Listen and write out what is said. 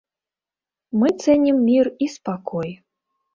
Мы цэнім мір і спакой.